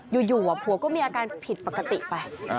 อยู่ผัวก็มีอาการผิดปกติไป